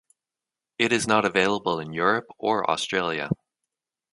It is not available in Europe or Australia.